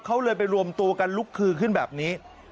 เขาเลยไปรวมตัวกันลุกคือขึ้นแบบนี้